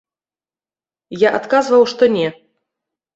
Я адказваў, што не.